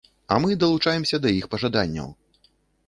А мы далучаемся да іх пажаданняў!